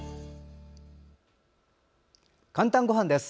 「かんたんごはん」です。